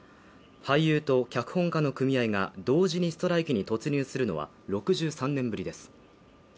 俳優と脚本家の組合が同時にストライキに突入するのは６３年ぶりです。